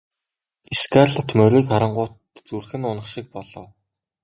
Скарлетт морийг харангуут зүрх нь унах шиг болов.